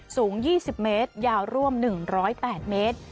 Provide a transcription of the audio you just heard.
สูง๒๐เมตรยาวร่วม๑๐๘เมตร